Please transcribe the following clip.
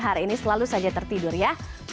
hari ini selalu saja tertidur ya